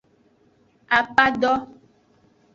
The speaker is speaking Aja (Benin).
Apado.